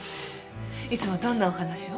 いつもどんなお話を？